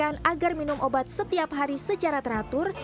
makan agar minum obat setiap hari secara teratur